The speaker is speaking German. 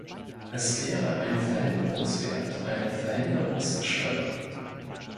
Es wäre ein Verhinderungswert, eine Verhinderungsschwelle.